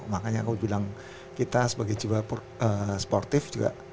makanya aku bilang kita sebagai jiwa sportif juga